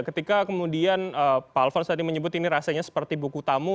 ketika kemudian pak alfons tadi menyebut ini rasanya seperti buku tamu